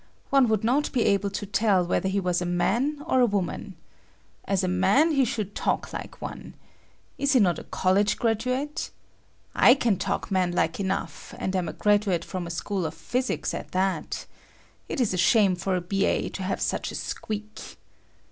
One would not be able to tell whether he was a man or a woman. As a man he should talk like one. Is he not a college graduate? I can talk man like enough, and am a graduate from a school of physics at that. It is a shame for a B.A. to have such a squeak.